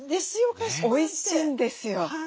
おいしいんですよ。